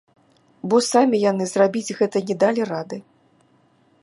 Бо самі яны зрабіць гэта не далі рады.